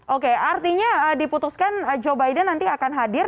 oke artinya diputuskan joe biden nanti akan hadir